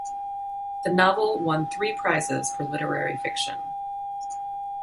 The novel won three prizes for literary fiction.